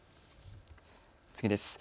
次です。